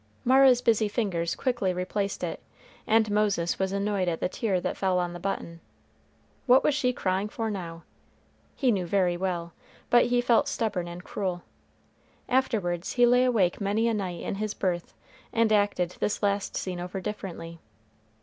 Mara's busy fingers quickly replaced it, and Moses was annoyed at the tear that fell on the button. What was she crying for now? He knew very well, but he felt stubborn and cruel. Afterwards he lay awake many a night in his berth, and acted this last scene over differently.